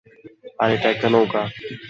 আর এটা একটা নৌকা!